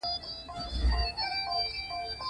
احمدشاه د پوځي ژوند تېر کړ.